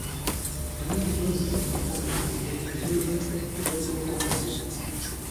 ئەمن زۆر زگم به خۆم دهسوتێ زۆرم دڵ به خۆم ماوه